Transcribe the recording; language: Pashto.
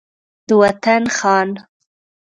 د وطن خان